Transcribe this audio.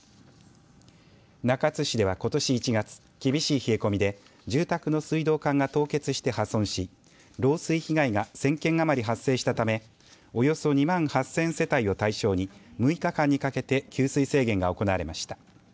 中津市では、ことし１月厳しい冷え込みで住宅の水道管が凍結して破損し漏水被害が１０００件余り発生したためおよそ２万８０００世帯を対象に６日間にかけて給水制限が行われました。